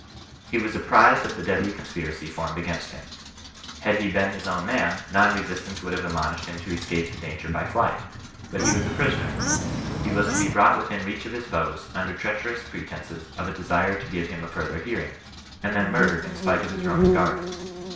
He was apprised of the deadly conspiracy formed against him. Had he been his own man, non resistance would have admonished him to escape the danger by flight. But he was a prisoner. He was to be brought within reach of his foes, under treacherous pretences of a desire to give him a further hearing, and then murdered in spite of his Roman guard.